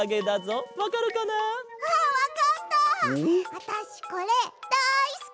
あたしこれだいすき！